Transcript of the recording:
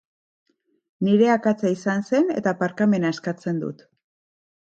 Nire akatsa izan zen eta barkamena eskatzen dut.